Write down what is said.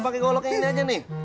pakai golok yang ini aja nih